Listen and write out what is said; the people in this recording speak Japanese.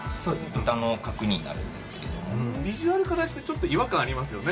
豚の角煮になるんですけれどもビジュアルからしてちょっと違和感ありますよね